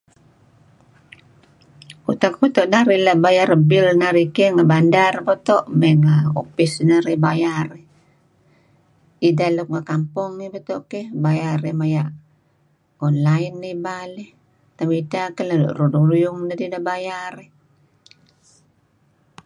Utak beto' narih la' bayar bill ngi bandar beto' mey ngi upis narih. Ideh luk ngi kampong beto' keh bayar dih maya' online ibal eh, temidteh eh nuru' lun ruyung dedih neh bayar.